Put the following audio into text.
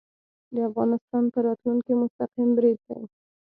د افغانستان په راتلونکې مستقیم برید دی